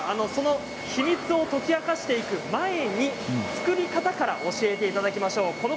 きょうはその秘密を解き明かしていく前に作り方から教えていただきましょう。